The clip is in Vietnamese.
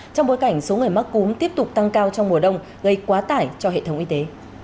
trong bối cảnh số người mắc cúm tiếp tục tăng cao trong mùa đông gây quá tải cho hệ thống y tế